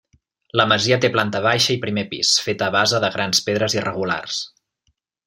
La masia té planta baixa i primer pis; feta a base de grans pedres irregulars.